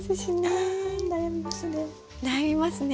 あ悩みますね。